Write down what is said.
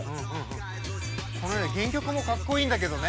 これね原曲もかっこいいんだけどね。